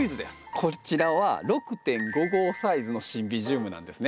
こちらは６．５号サイズのシンビジウムなんですね。